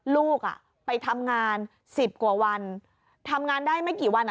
ลูกอ่ะไปทำงานสิบกว่าวันทำงานได้ไม่กี่วันอ่ะ